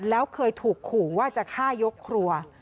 แล้วเคยถูกขู่ว่าจะฆ่ายกครัว